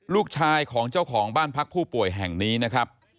ลูกชายของเจ้าของบ้านพักผู้ป่วยแห่งนี้นะครับ